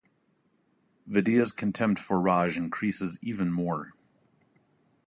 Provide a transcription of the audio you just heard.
Vidya's contempt for Raj increases even more.